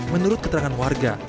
menurut keterangan warga